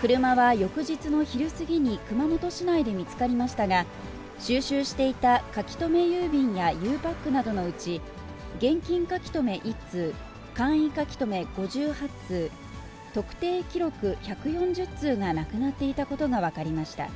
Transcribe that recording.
車は翌日の昼過ぎに、熊本市内で見つかりましたが、収集していた書留郵便やゆうパックなどのうち、現金書留１通、簡易書留５８通、特定記録１４０通がなくなっていたことが分かりました。